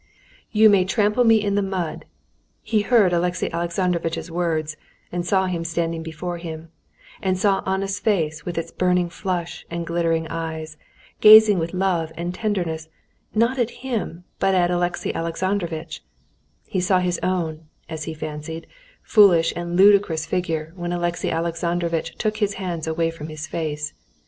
"You may trample me in the mud," he heard Alexey Alexandrovitch's words and saw him standing before him, and saw Anna's face with its burning flush and glittering eyes, gazing with love and tenderness not at him but at Alexey Alexandrovitch; he saw his own, as he fancied, foolish and ludicrous figure when Alexey Alexandrovitch took his hands away from his face.